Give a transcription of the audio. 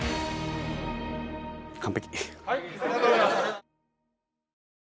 完璧。